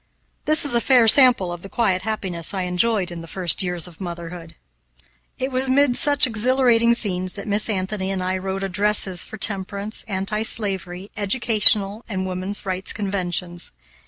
This is a fair sample of the quiet happiness I enjoyed in the first years of motherhood. It was 'mid such exhilarating scenes that Miss Anthony and I wrote addresses for temperance, anti slavery, educational, and woman's rights conventions.